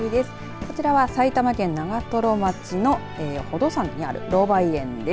こちらは埼玉県長瀞町の宝登山にあるロウバイ園です。